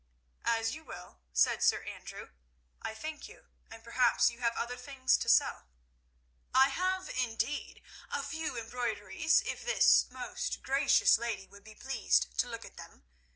"As you will," said Sir Andrew. "I thank you, and perhaps you have other things to sell." "I have indeed; a few embroideries if this most gracious lady would be pleased to look at them.